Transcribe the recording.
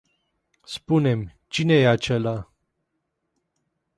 Spune-mi, cine e acela?